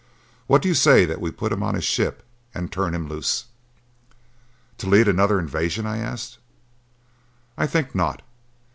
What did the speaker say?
What do you say that we put him on his ship and turn him loose?" "To lead another invasion?" I asked. "I think not.